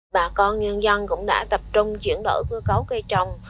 bà con nhân dân cũng đã tập trung chuyển đổi cơ cấu cây trồng